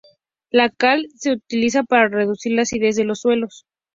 La cal se utiliza para reducir la acidez de los suelos.